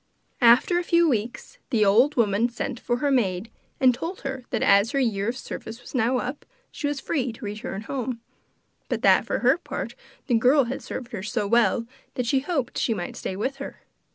After a few weeks the old woman sent for her maid and told her that as her year of service was now up, she was free to return home, but that, for her part, the girl had served her so well that she hoped she might stay with her.